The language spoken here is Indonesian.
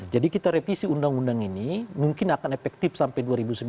jadi kita revisi undang undang ini mungkin akan efektif sampai dua ribu sembilan belas